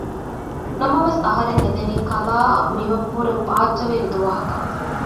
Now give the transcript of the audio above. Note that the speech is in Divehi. ނަމަވެސް އަހަރެން އެދެނީ ކަލާއަށް މިއަށްވުރެ ބާއްޖަވެރި ދުވަހަކަށް